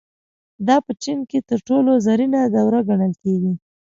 دا په چین کې تر ټولو زرینه دوره ګڼل کېږي.